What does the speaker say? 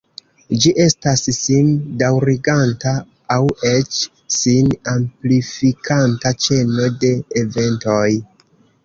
Ĝi estas sim-daŭriganta aŭ eĉ sin-amplifikanta ĉeno de eventoj.